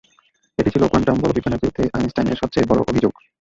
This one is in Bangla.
এটি ছিল কোয়ান্টাম বলবিজ্ঞানের বিরুদ্ধে আইনস্টাইনের সবচেয়ে বড় অভিযোগ।